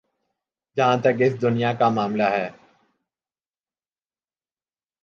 جہاں تک اس دنیا کا معاملہ ہے۔